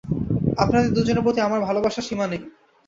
আপনাদের দুজনের প্রতি আমার ভালবাসারও সীমা নেই।